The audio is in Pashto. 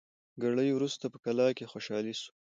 ګړی وروسته په کلا کي خوشالي سوه